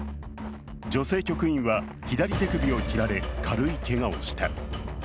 女性局員は左手首を切られ軽いけがをした。